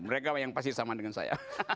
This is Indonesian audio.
mereka yang pasti sama dengan saya